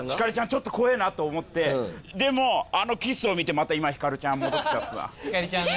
ちょっと怖えなと思ってでもあのキスを見てまた今ひかるちゃん戻ってきてますわひかりちゃんね！